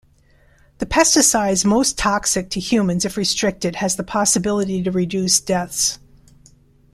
The pesticides most toxic to humans if restricted has the possibility to reduce deaths.